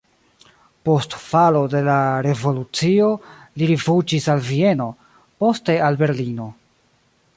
Post falo de la revolucio li rifuĝis al Vieno, poste al Berlino.